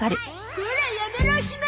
コラ！やめろひま！